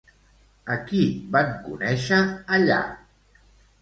A qui van conèixer, allà?